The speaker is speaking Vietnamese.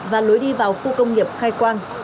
và lối đi vào khu công nghiệp khai quang